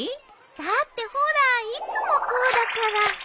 だってほらいつもこうだから。